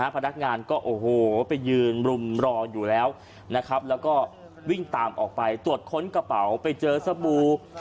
พนักงานก็โอ้โหไปยืนรุมรออยู่แล้วนะครับแล้วก็วิ่งตามออกไปตรวจค้นกระเป๋าไปเจอสบู่